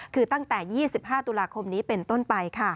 คือตั้งแต่๒๕ตุลาคมนี้เป็นต้นไป